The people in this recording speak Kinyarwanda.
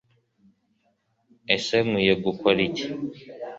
Ese Nkwiye gukora iki